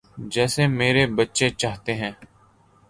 جیسے میرے بچے چاہتے ہیں۔